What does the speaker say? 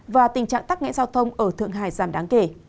và tình trạng tắc nghẽ giao thông ở thượng hải giảm đáng kể